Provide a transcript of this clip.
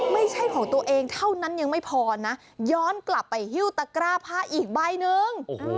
ไม่ใช่ของตัวเองเท่านั้นยังไม่พอนะย้อนกลับไปหิ้วตะกร้าผ้าอีกใบหนึ่ง